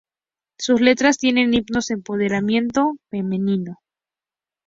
Sus letras tienen himnos-empoderamiento femenino.